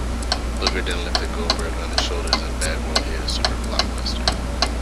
Luger then lifted Goldberg on his shoulders and Bagwell hit a Super Blockbuster.